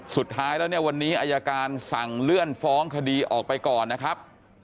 สุดท้ายแล้วเนี่ยวันนี้อายการสั่งเลื่อนฟ้องคดีออกไปก่อนนะครับ